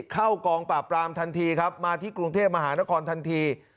เข้ากองปราบปรามทันทีครับมาที่กรุงเทพมหานครทันที